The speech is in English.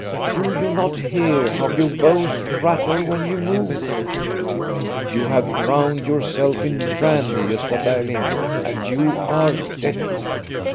Do you not hear how your bones rattle when you move? You have drowned yourself in brandy, Gosta Ber ling, and you are dead.